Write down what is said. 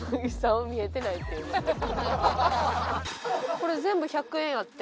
これ全部１００円やって。